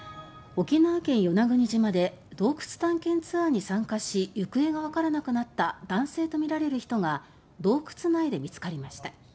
沖縄県与那国島で洞窟探検ツアーに参加し行方が分からなくなった男性とみられる人が洞窟内で見つかりました。